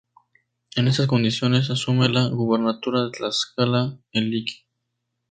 En estas condiciones asume la gubernatura de Tlaxcala el Lic.